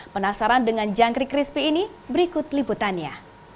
penasaran dengan jangkrik crispy ini berikut liputannya